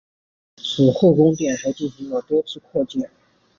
此后宫殿还进行了多次扩建。